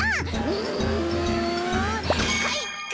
うんかいか！